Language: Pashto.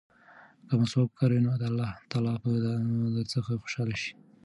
که مسواک وکاروې نو الله تعالی به درڅخه خوشحاله شي.